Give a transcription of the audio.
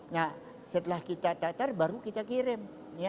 nah setelah kita cacar baru kita kirim